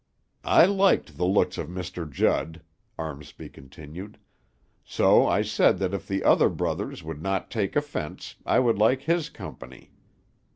"I liked the looks of Mr. Judd," Armsby continued, "so I said that if the other brothers would not take offence, I would like his company.